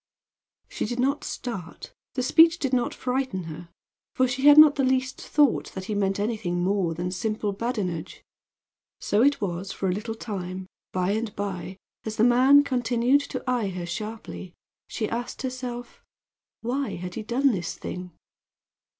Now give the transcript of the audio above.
She did not start; the speech did not frighten her, for she had not the least thought that he meant anything more than simple badinage. So it was for a little time; by and by, as the man continued to eye her sharply, she asked herself why had he done this thing?